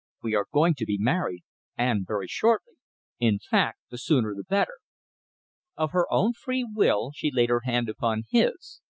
We are going to be married, and very shortly. In fact, the sooner the better." Of her own free will she laid her hand upon his.